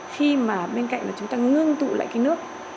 khi mà bên cạnh là chúng ta ngưng tụ lại cái nước